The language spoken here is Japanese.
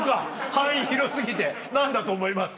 範囲広過ぎて「何だと思いますか？」